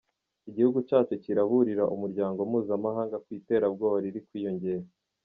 Igihugu cyacu kiraburira Umuryango Mpuzamahanga kubw’iri terabwoba riri kwiyongera.